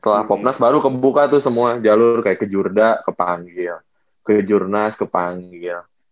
setelah popnas baru kebuka tuh semua jalur kayak ke jurda ke panggil ke jurnas ke panggil